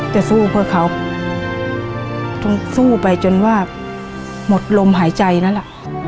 จะสู้เพื่อเขาต้องสู้ไปจนว่าหมดลมหายใจนั่นแหละ